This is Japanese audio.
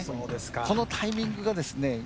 このタイミングがですね